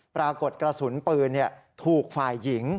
ปรากฏกระสุนปืนถูกฝ่ายหญิง